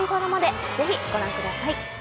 ぜひご覧ください。